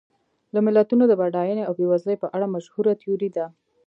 د ملتونو د بډاینې او بېوزلۍ په اړه مشهوره تیوري ده.